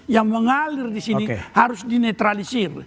yang mengalir di sini harus dinetralisir